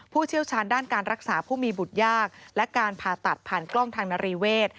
เชี่ยวชาญด้านการรักษาผู้มีบุตรยากและการผ่าตัดผ่านกล้องทางนารีเวศ